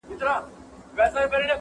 • ځیني وي چي یې په سر کي بغاوت وي -